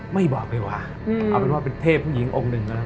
ไม่บอกเลยว่ะเอาเป็นว่าเป็นเทพผู้หญิงองค์หนึ่ง